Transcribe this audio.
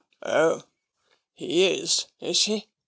"O he is, is he?